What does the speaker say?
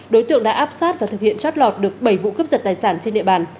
đối tượng đã áp sát và thực hiện chót lọt được bảy vụ cướp giật tài sản trên địa bàn